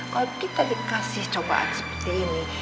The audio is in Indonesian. kalau kita dikasih cobaan seperti ini